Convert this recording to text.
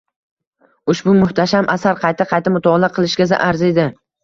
Ushbu muhtasham asar qayta-qayta mutolaa qilishga arziydi.